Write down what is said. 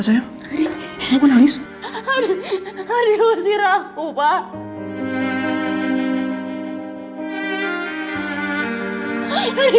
jangan pero crazy